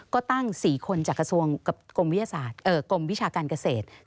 ก็ตั้ง๔คนจากกระทรวงกับกรมวิชาการเกษตร